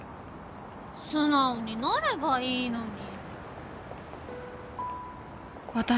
素直になればいいのに。